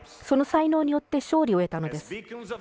その才能によって勝利を得たのです。